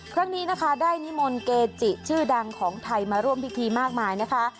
ครั้งนี้นะคะได้นิมนต์เกจิชื่อดังของไทยมาร่วมพิธีมากมายนะคะ